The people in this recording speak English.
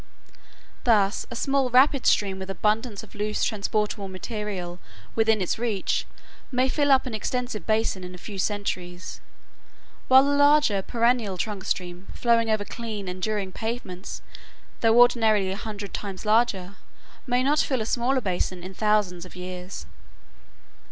Thus a small rapid stream with abundance of loose transportable material within its reach may fill up an extensive basin in a few centuries, while a large perennial trunk stream, flowing over clean, enduring pavements, though ordinarily a hundred times larger, may not fill a smaller basin in thousands of years.